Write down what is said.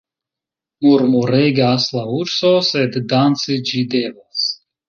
Murmuregas la urso, sed danci ĝi devas.